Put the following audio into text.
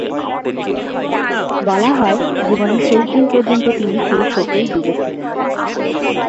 বলা হয়, জীবনের শেষ দিন পর্যন্ত তিনি সেই শোকেই ডুবে ছিলেন।